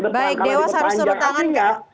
baik dewas harus serut tangan gak